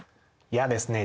いやですね